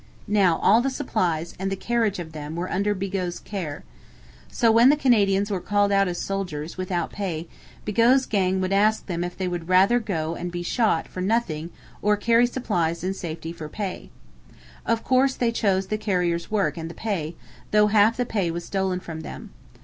Now, all the supplies and the carriage of them were under Bigot's care. So when the Canadians were called out as soldiers, without pay, Bigot's gang would ask them if they would rather go and be shot for nothing or carry supplies in safety for pay. Of course, they chose the carrier's work and the pay, though half the pay was stolen from them.